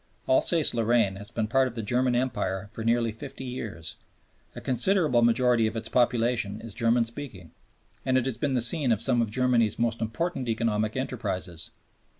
Alsace Lorraine has been part of the German Empire for nearly fifty years a considerable majority of its population is German speaking and it has been the scene of some of Germany's most important economic enterprises.